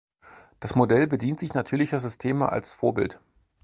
Das Modell bedient sich natürlicher Systeme als Vorbild.